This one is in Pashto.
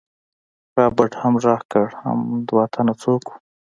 رابرټ هم غږ کړ حم دوه تنه څوک وو.